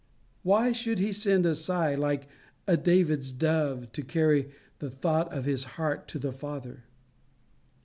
Why should he send a sigh, like a David's dove, to carry the thought of his heart to his Father?